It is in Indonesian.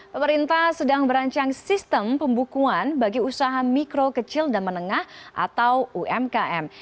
pemerintah sedang berancang sistem pembukuan bagi usaha mikro kecil dan menengah atau umkm